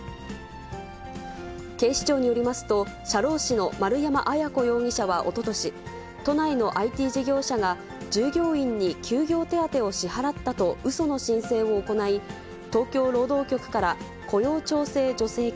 警視庁によりますと、社労士の丸山文子容疑者はおととし、都内のＩＴ事業者が、従業員に休業手当を支払ったとうその申請を行い、東京労働局から雇用調整助成金